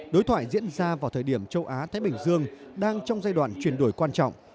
đối thoại diễn ra vào thời điểm châu á thái bình dương đang trong giai đoạn chuyển đổi quan trọng